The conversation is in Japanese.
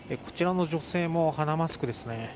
こちらの女性も鼻マスクですね。